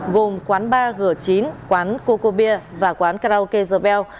gồm quán ba g chín quán coco beer và quán karaoke the bell